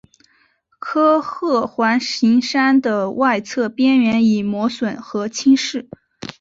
科赫环形山的外侧边缘已磨损和侵蚀。